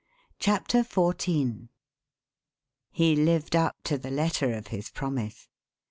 CHAPTER XIV He lived up to the letter of his promise.